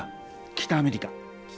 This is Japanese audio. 北アメリカ。